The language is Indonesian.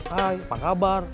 hai apa kabar